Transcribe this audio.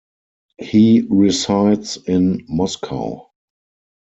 He resides in Moscow.